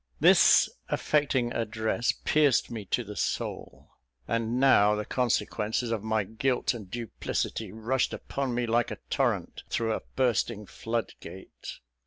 This affecting address pierced me to the soul; and now the consequences of my guilt and duplicity rushed upon me like a torrent through a bursting flood gate.